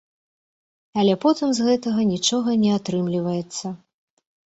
Але потым з гэтага нічога не атрымліваецца.